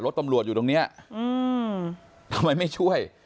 ตำรวจอยู่ตรงนี้ทำไมไม่ช่วย